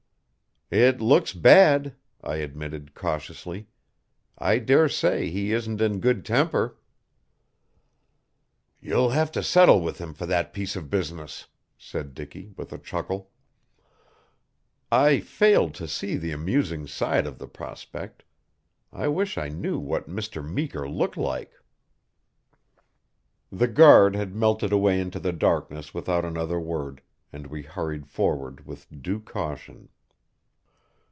"It looks bad," I admitted cautiously. "I dare say he isn't in good temper." "You'll have to settle with him for that piece of business," said Dicky with a chuckle. I failed to see the amusing side of the prospect. I wished I knew what Mr. Meeker looked like. The guard had melted away into the darkness without another word, and we hurried forward with due caution.